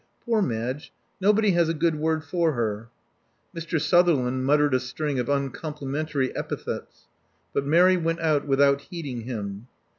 Poor Madge! Nobody has a good word for her." Mr. Sutherland muttered a string of uncomplimen tary epithets; but Mary went out without heeding him.